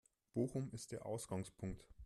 Bochum ist der Ausgangspunkt.